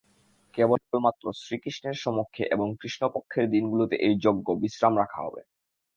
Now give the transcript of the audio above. কেবলমাত্র শ্রীকৃষ্ণের সমক্ষে এবং কৃষ্ণপক্ষের দিনগুলোতে এই যজ্ঞ বিশ্রাম রাখা হবে।